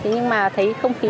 nhưng mà thấy không khó